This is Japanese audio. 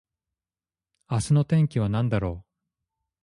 明日の天気はなんだろう